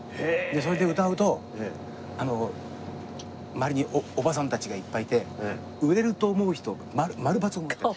それで歌うと周りにおばさんたちがいっぱいいて売れると思う人○×を持ってるの。